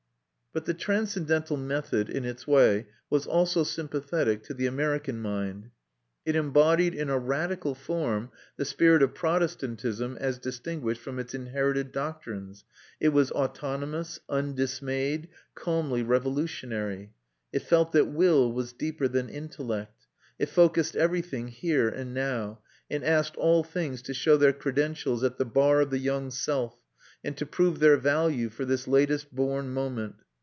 But the transcendental method, in its way, was also sympathetic to the American mind. It embodied, in a radical form, the spirit of Protestantism as distinguished from its inherited doctrines; it was autonomous, undismayed, calmly revolutionary; it felt that Will was deeper than Intellect; it focussed everything here and now, and asked all things to show their credentials at the bar of the young self, and to prove their value for this latest born moment.